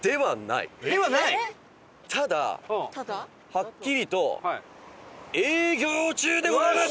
はっきりと営業中でございます！